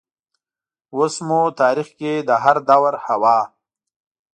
اوس مو تاریخ کې د هردور حوا